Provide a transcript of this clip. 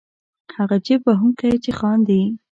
هغه جېب وهونکی چې خاندي.